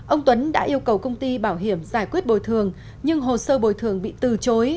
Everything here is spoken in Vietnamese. ông tuấn đã yêu cầu công ty bảo hiểm giải quyết bồi thường nhưng hồ sơ bồi thường bị từ chối